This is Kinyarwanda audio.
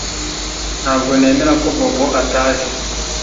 Ntabwo nemera ko Bobo ataje